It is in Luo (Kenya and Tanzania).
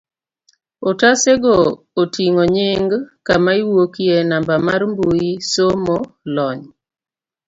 otase go oting'o nying, kama iwuokye, namba mar mbui, somo, lony